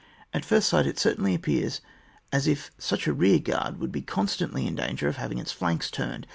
At first sight it certainly appears as if such a rearguard would be constantly in danger of having its flanks turned.